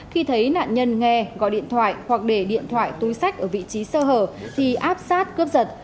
khi thấy nạn nhân nghe gọi điện thoại hoặc để điện thoại túi sách ở vị trí sơ hở thì áp sát cướp giật